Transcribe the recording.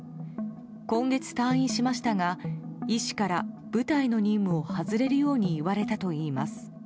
今月退院しましたが医師から、部隊の任務を外れるように言われたといいます。